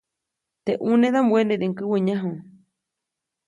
Teʼ ʼunedaʼm wenediʼuŋ käwäʼnyaju.